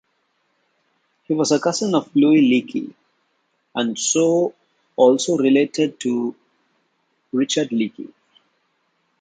He was a cousin of Louis Leakey, and so also related to Richard Leakey.